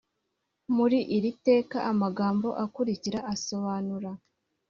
Muri iri teka amagambo akurikira asobanura